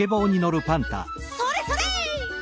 それそれ！